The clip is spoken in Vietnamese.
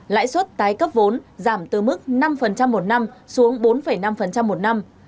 lãi suất tái cấp vốn giảm từ mức năm một năm xuống bốn năm một năm